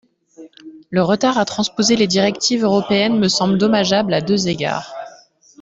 Le retard à transposer les directives européennes me semble dommageable à deux égards.